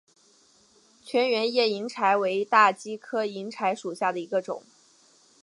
全缘叶银柴为大戟科银柴属下的一个种。